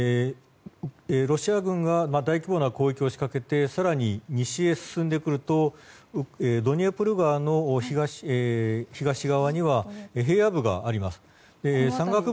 ロシア軍が大規模な攻撃を仕掛けて更に、西へ進んでくるとドニエプル川の東側には平野部があります。